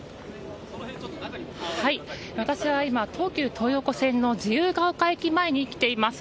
私は今東急東横線の自由が丘駅前に来ています。